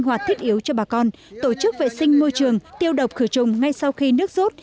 sinh hoạt thiết yếu cho bà con tổ chức vệ sinh môi trường tiêu độc khử trùng ngay sau khi nước rút